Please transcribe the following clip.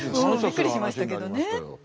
びっくりしましたけどね。